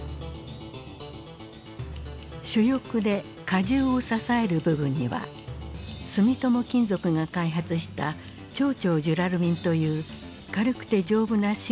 主翼で荷重を支える部分には住友金属が開発した超々ジュラルミンという軽くて丈夫な新素材を使用した。